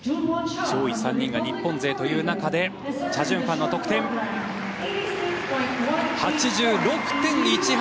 上位３人が日本勢という中でチャ・ジュンファンの得点８６．１８。